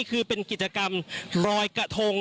คือติดกรรมรอยกะทง